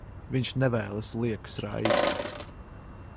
Viņš nevēlas liekas raizes.